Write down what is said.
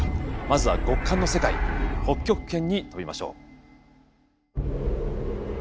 まずは極寒の世界北極圏に飛びましょう。